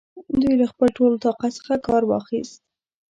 دوی له خپل ټول طاقت څخه کار واخیست.